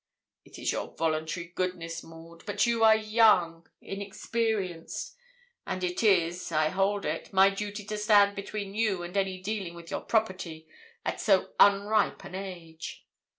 It is your voluntary goodness, Maud. But you are young, inexperienced; and it is, I hold it, my duty to stand between you and any dealing with your property at so unripe an age.